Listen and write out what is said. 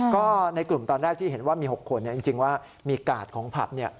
ก็ในกลุ่มตอนแรกที่เห็นว่ามี๖คนจริงว่ามีกาดของผับ